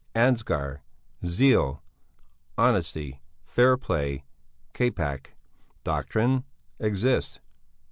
Ansgar. Zeal. Honesty. Fairplay. Capac. Doctrine. Exist.